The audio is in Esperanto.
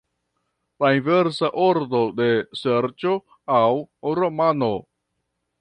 La inversa ordo de ŝerco aŭ romano.